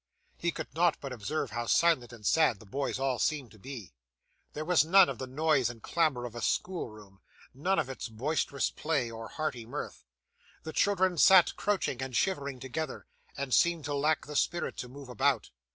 He could not but observe how silent and sad the boys all seemed to be. There was none of the noise and clamour of a schoolroom; none of its boisterous play, or hearty mirth. The children sat crouching and shivering together, and seemed to lack the spirit to move about.